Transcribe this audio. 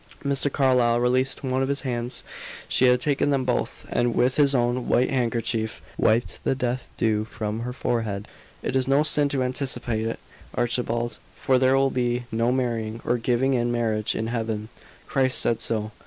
Mr. Carlyle released one of his hands; she had taken them both; and with his own white handkerchief, wiped the death dew from her forehead. "It is no sin to anticipate it, Archibald, for there will be no marrying or giving in marriage in Heaven: Christ said so.